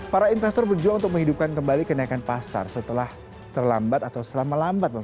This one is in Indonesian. para investor berjuang untuk kembali kembali ke naikkan pasar setelah terlambat atau selama lambat